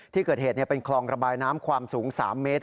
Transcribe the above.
ที่เกิดเหตุเป็นคลองระบายน้ำความสูง๓เมตร